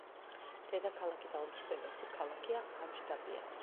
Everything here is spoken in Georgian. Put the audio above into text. დედაქალაქი და უმსხვილესი ქალაქია აჯდაბია.